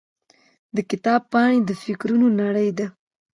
د کتاب پاڼې د فکرونو نړۍ ده.